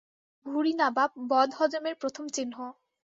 ভুঁড়ি নাবা বদহজমের প্রথম চিহ্ন।